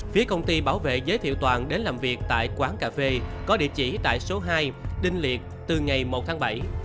phía công ty bảo vệ giới thiệu toàn đến làm việc tại quán cà phê có địa chỉ tại số hai đinh liệt từ ngày một tháng bảy